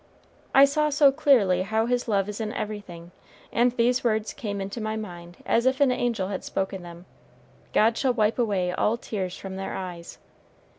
"I saw so clearly how his love is in everything, and these words came into my mind as if an angel had spoken them, 'God shall wipe away all tears from their eyes.'